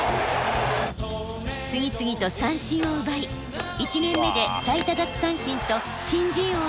次々と三振を奪い１年目で最多奪三振と新人王のタイトルに輝きました。